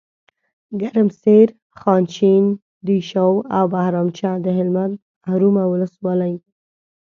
ګرمسیر، خانشین، دیشو او بهرامچه دهلمند محرومه ولسوالۍ